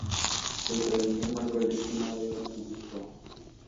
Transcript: Su traición marcó el destino de Basilisco.